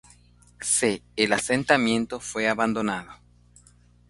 C, el asentamiento fue abandonado.